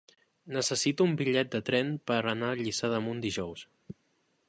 Necessito un bitllet de tren per anar a Lliçà d'Amunt dijous.